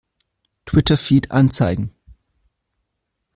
Twitter-Feed anzeigen!